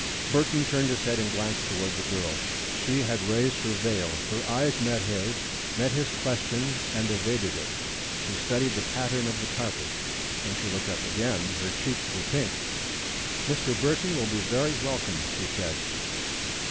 Burton turned his head and glanced toward the girl. She had raised her veil. Her eyes met his, met his question and evaded it. She studied the pattern of the carpet. When she looked up again, her cheeks were pink. "Mr. Burton will be very welcome," she said.